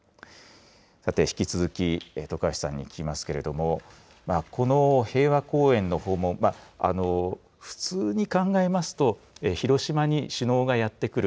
さて引き続き、徳橋さんに聞きますけれども、この平和公園の訪問、普通に考えますと、広島に首脳がやって来る。